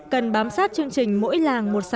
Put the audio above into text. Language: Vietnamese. cần bám sát chương trình mỗi làng một sản phẩm